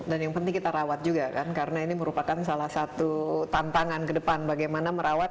dan yang penting kita rawat juga kan karena ini merupakan salah satu tantangan ke depan bagaimana merawat